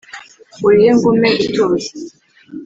Urihe ngo umpe gutuza?